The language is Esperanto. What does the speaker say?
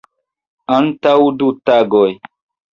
Antaŭ du tagoj.